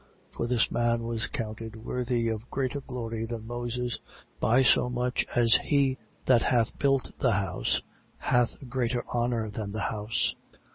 3:3. For this man was counted worthy of greater glory than Moses, by so much as he that hath built the house hath greater honour than the house.